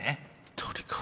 鳥か。